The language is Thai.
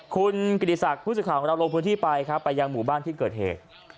คุณกิติศักดิ์ผู้สื่อข่าวของเราลงพื้นที่ไปครับไปยังหมู่บ้านที่เกิดเหตุ